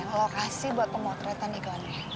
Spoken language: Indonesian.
lokasi buat pemotretan ego andre